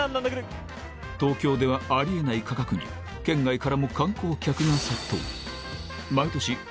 東京ではあり得ない価格に県外からも観光客が殺到毎年